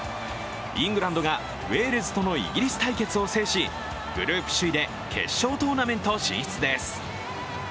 イングランドがウェールズとのイギリス対決を制しグループ首位で決勝トーナメント進出です。